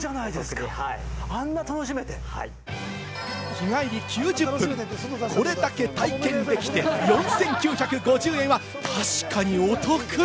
日帰り９０分、これだけ体験できて４９５０円は確かにお得！